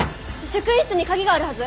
職員室に鍵があるはず！